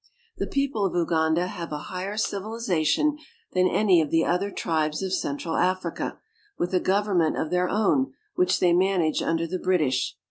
The people of Uganda have a higher civilization than any of the other tribes of central Africa, with a govern ment of their own which they manage under the British.